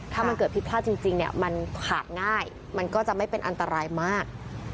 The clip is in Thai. ถ้ามันเกิดผิดพลาดจริงเนี่ยมันขาดง่ายมันก็จะไม่เป็นอันตรายมาก